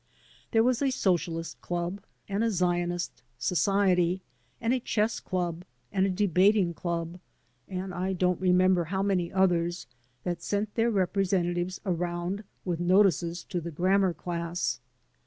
There was a socialist dub, and a zionist society, and a chess dub, and a debating club, and I don't remember how many others, that sent their representatives around with notices to the grammar class.